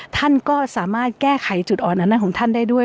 ท่านก็สามารถแก้ไขจุดอ่อนอันนั้นของท่านได้ด้วย